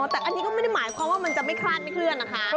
แต่อันนี้ก็ไม่ได้หมายความว่ามันจะไม่คลาดไม่เคลื่อนนะคะ